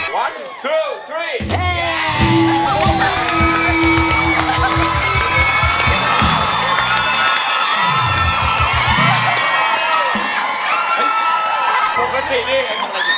ปกตินี่เอง